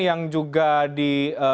yang juga di